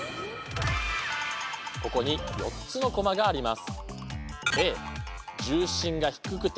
ここに４つのコマがあります。